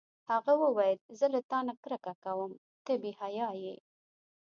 هغه وویل: زه له تا نه کرکه کوم، ته بې حیا یې.